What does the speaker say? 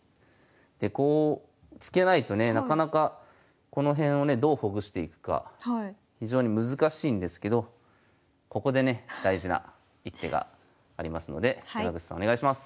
でこう突けないとねなかなかこの辺をねどうほぐしていくか非常に難しいんですけどここでね大事な一手がありますので山口さんお願いします。